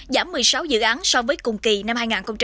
giảm một mươi sáu dự án so với cùng kỳ năm hai nghìn một mươi chín